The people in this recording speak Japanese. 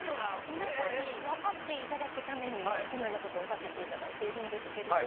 皆さんに分かって頂くためにこのようなことをさせて頂いているんですけれども。